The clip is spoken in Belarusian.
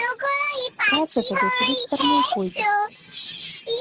Праца тады куды спарней пойдзе.